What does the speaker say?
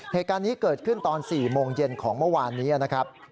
เหตุการณ์นี้เกิดขึ้นตอน๔โมงเย็นของเมื่อวานนี้นะครับ